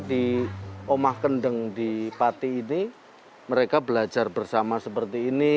di omah kendeng di pati ini mereka belajar bersama seperti ini